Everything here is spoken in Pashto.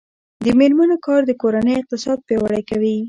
د میرمنو کار د کورنۍ اقتصاد پیاوړی کوي.